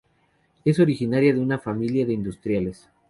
Es originaria de una familia de industriales.